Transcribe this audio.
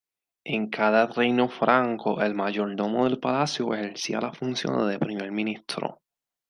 En cada reino franco, el mayordomo de palacio ejercía las funciones de primer ministro.